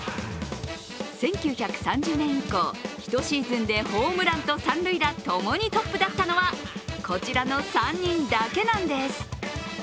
１９３０年以降、１シーズンでホームランと三塁打共にトップだったのはこちらの３人だけなんです。